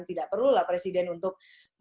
tidak perlu lah presiden untuk